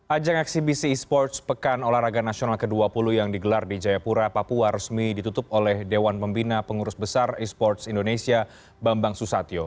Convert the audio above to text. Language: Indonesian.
ajang eksibisi e sports pekan olahraga nasional ke dua puluh yang digelar di jayapura papua resmi ditutup oleh dewan pembina pengurus besar e sports indonesia bambang susatyo